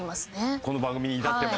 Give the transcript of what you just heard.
この番組に至っても？